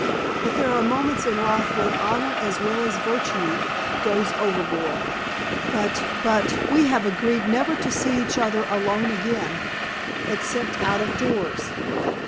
But there are moments in life when honor as well as virtue goes overboard." "But but we have agreed never to see each other alone again except out of doors."